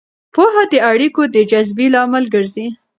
پوهه د اړیکو د جذبې لامل ګرځي.